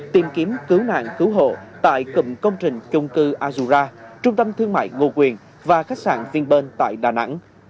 tìm kiếm cứu nạn cứu hộ tại cục công trình trung cư azura trung tâm thương mại nguồn quyền và khách sạn vinpearl tại đà nẵng